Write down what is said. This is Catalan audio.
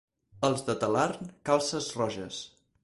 Els de Talarn, calces roges.